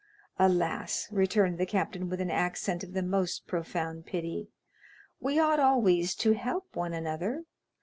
"Alas," returned the captain with an accent of the most profound pity, "we ought always to help one another.